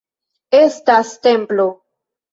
Estas tempo!